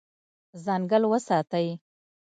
ځنګل وساتئ.